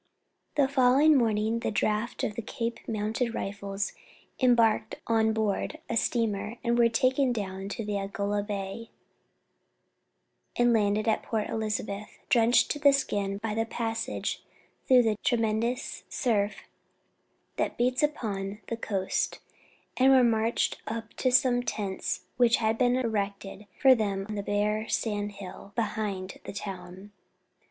The following morning the draft of Cape Mounted Rifles embarked on board a steamer and were taken down to Algoa Bay, and landed at Port Elizabeth, drenched to the skin by the passage through the tremendous surf that beats upon the coast, and were marched to some tents which had been erected for them on a bare sandhill behind the town.